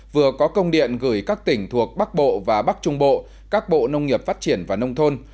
vừa có công điện gửi các tỉnh thuộc bắc bộ và bắc trung bộ các bộ nông nghiệp phát triển và nông thôn